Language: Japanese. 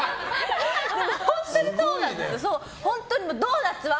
本当にそうなんです。